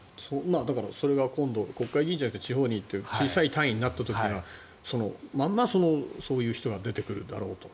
それが今度国会議員じゃなくて地方という小さい単位になった時はまんまそういう人が出てくるだろうと。